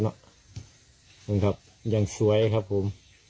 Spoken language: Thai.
นี่ครับยังสวยครับผม